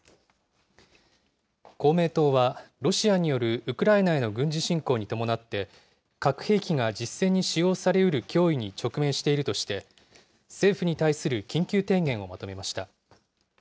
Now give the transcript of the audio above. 公明党は、ロシアによるウクライナへの軍事侵攻に伴って、核兵器が実戦に使用されうる脅威に直面しているとして、政府に対する緊急提言をまとめました。